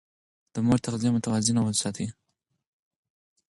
د مور تغذيه متوازنه وساتئ.